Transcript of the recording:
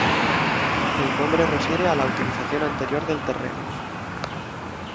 El nombre refiere a la utilización anterior del terreno.